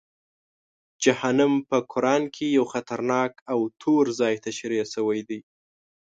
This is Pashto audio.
جهنم په قرآن کې یو خطرناک او توره ځای تشریح شوی دی.